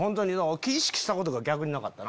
意識したことが逆になかった。